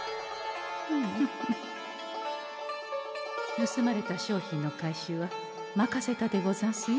ぬすまれた商品の回収は任せたでござんすよ